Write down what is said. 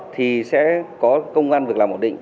thì sẽ có công an vượt làm ổn định